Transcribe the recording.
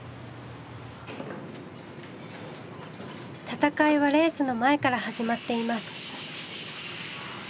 戦いはレースの前から始まっています。